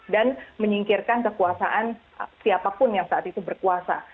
dan menyingkirkan kekuasaan siapapun yang saat itu berkuasa